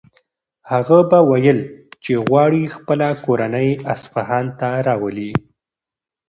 هغه به ویل چې غواړي خپله کورنۍ اصفهان ته راولي.